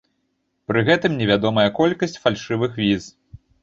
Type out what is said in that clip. Пры гэтым невядомая колькасць фальшывых віз.